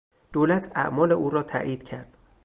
دولت اعمال او را تایید کرد.